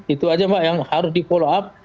itu aja mbak yang harus di follow up